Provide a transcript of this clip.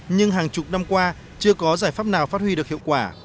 nhưng hàng chục năm qua chưa có giải pháp nào phát huy được hiệu quả